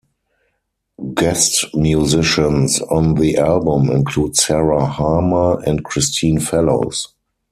Guest musicians on the album include Sarah Harmer and Christine Fellows.